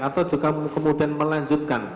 atau juga kemudian melanjutkan